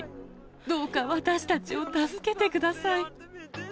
どうか私たちを助けてください。